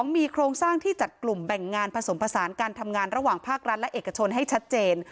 มีโครงสร้างที่จัดกลุ่มแบ่งงานผสมผสานการทำงานระหว่างภาครัฐและเอกชนให้ชัดเจน